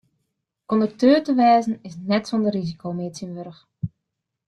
Kondukteur te wêzen is net sûnder risiko mear tsjintwurdich.